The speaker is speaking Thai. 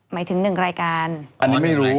หมายถึงหนึ่งรายการอันนี้ไม่รู้